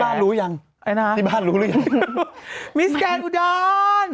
ที่บ้านรู้หรือยังที่บ้านรู้หรือยังมิสแกนอุดอง